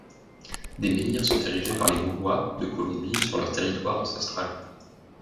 Des menhirs sont érigés par les U'wa de Colombie sur leur territoire ancestral.